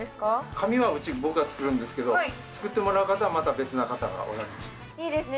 紙は僕が作るんですけど作ってもらう方はまた別な方がおられましていいですね